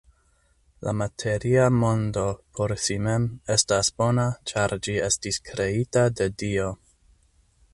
La materia mondo, por si mem, estas bona, ĉar ĝi estis kreita de Dio.